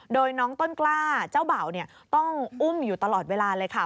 โดยน้องต้นกล้าเจ้าเบ่าต้องอุ้มอยู่ตลอดเวลาเลยค่ะ